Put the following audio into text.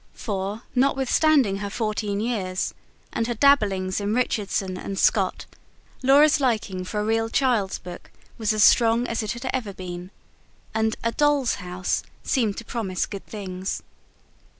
For, notwithstanding her fourteen years, and her dabblings in Richardson and Scott, Laura's liking for a real child's book was as strong as it had ever been; and A DOLL'S HOUSE seemed to promise good things.